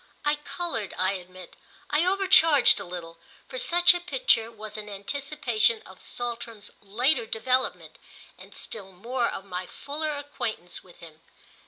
I coloured, I admit, I overcharged a little, for such a picture was an anticipation of Saltram's later development and still more of my fuller acquaintance with him.